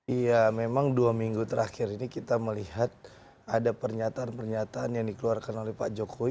iya memang dua minggu terakhir ini kita melihat ada pernyataan pernyataan yang dikeluarkan oleh pak jokowi